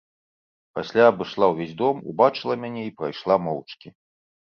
Пасля абышла ўвесь дом, убачыла мяне і прайшла моўчкі.